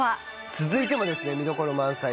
続いても見どころ満載。